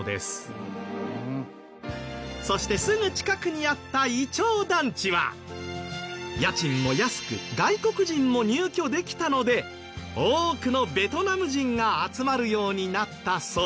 そしてすぐ近くにあったいちょう団地は家賃も安く外国人も入居できたので多くのベトナム人が集まるようになったそう。